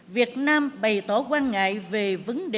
việt nam bày tỏ quan ngại về vấn đề